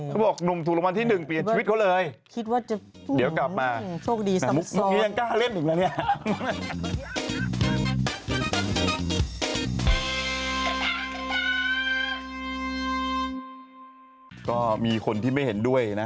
เขาบอกหนุ่มถูกรวรรมันที่๑เปลี่ยนชีวิตเขาเลย